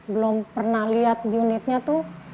belum pernah lihat unitnya tuh